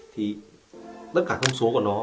thì tất cả thông số của nó